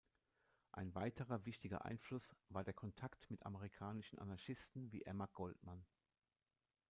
Ein weiterer wichtiger Einfluss war der Kontakt mit amerikanischen Anarchisten wie Emma Goldman.